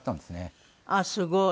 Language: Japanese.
あっすごい！